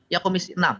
ya komisi enam